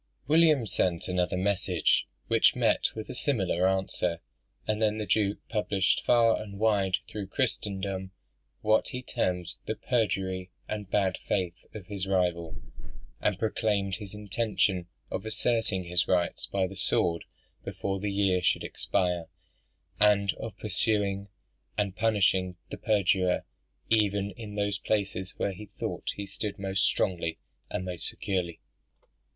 William sent another message, which met with a similar answer; and then the Duke published far and wide through Christendom what he termed the perjury and bad faith of his rival; and proclaimed his intention of asserting his rights by the sword before the year should expire, and of pursuing and punishing the perjurer even in those places where he thought he stood most strongly and most securely.